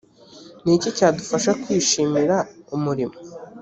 ni iki cyadufasha kwishimira umurimo